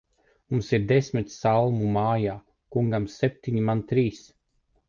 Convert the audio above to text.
Mums ir desmit salmu mājā; kungam septiņi, man trīs.